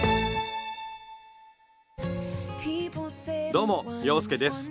どうも洋輔です。